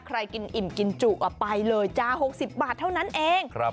กินอิ่มกินจุไปเลยจ้า๖๐บาทเท่านั้นเอง